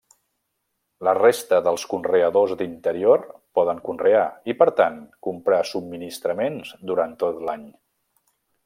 La resta dels conreadors d'interior poden conrear, i per tant comprar subministraments durant tot l'any.